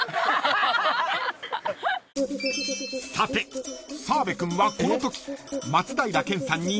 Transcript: ［さて澤部君はこのとき］